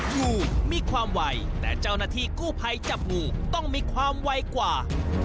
งูมีความไวแต่เจ้าหน้าที่กู้ภัยจับงูต้องมีความไวกว่า